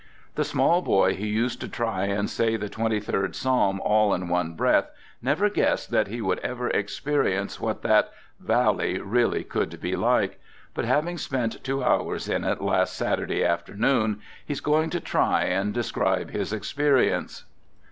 The small boy who used to try and say the twenty third Psalm all in one breath never guessed that he would ever experience what that " Valley 99 really could be like ; but having spent two hours in it last Saturday afternoon, he's going to try and describe his experiences.